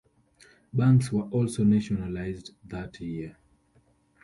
Banks were also nationalized that year.